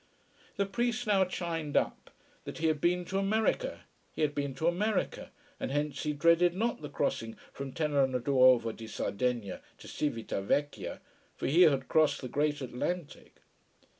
The priest now chimed up, that he had been to America. He had been to America and hence he dreaded not the crossing from Terranuova di Sardegna to Cività Vecchia. For he had crossed the great Atlantic.